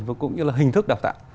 và cũng như là hình thức đào tạo